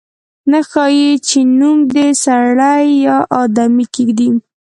نه ښايي چې نوم دې سړی یا آدمي کېږدي.